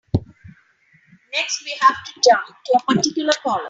Next, we have to jump to a particular column.